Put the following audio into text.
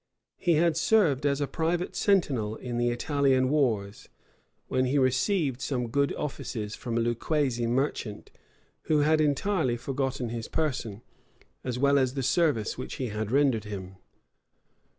He had served as a private sentinel in the Italian wars; when he received some good offices from a Lucquese merchant, who had entirely forgotten his person, as well as the service which he had rendered him.